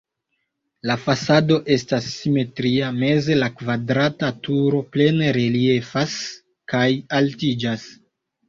La fasado estas simetria, meze la kvadrata turo plene reliefas kaj altiĝas.